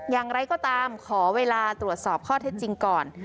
อย่างไรก็ตามขอเวลาตรวจสอบข้อเท็จจริงก่อน